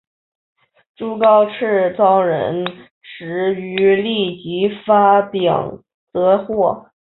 朱高炽遣人驰谕立即发廪赈贷。